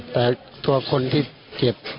แต่ตัวคนที่เจ็บ